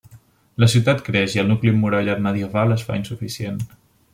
La ciutat creix i el nucli emmurallat medieval es fa insuficient.